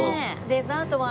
デザートは。